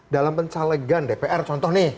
dalam pencalegan dpr contoh nih